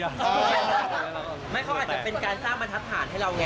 เขาอาจจะเป็นการสร้างมทับฐานให้เราแง่